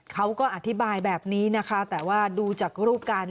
เขาก็อธิบายแบบนี้นะคะแต่ว่าดูจากรูปการณ